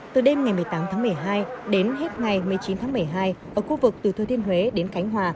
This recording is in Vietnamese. từ đêm ngày một mươi tám tháng một mươi hai đến hết ngày một mươi chín tháng một mươi hai ở khu vực từ thừa thiên huế đến khánh hòa